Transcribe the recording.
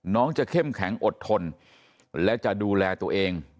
น้องจะเข้มแข็งอดทนและจะดูแลตัวเอง